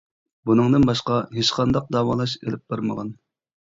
بۇنىڭدىن باشقا ھېچقانداق داۋالاش ئېلىپ بارمىغان.